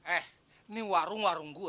eh ini warung warung gue